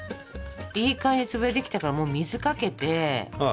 いい感じに潰れてきたからもう水かけて。